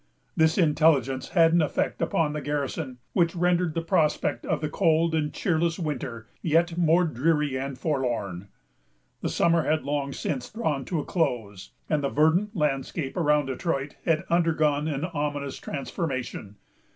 This intelligence had an effect upon the garrison which rendered the prospect of the cold and cheerless winter yet more dreary and forlorn. The summer had long since drawn to a close, and the verdant landscape around Detroit had undergone an ominous transformation.